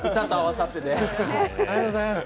ありがとうございます。